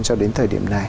cho đến thời điểm này